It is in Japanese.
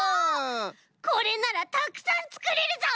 これならたくさんつくれるぞ！